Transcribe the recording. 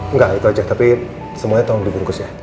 enggak itu aja tapi semuanya tolong dibungkus ya